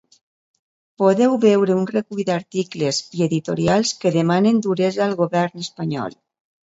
Podeu veure un recull d’articles i editorials que demanen duresa al govern espanyol.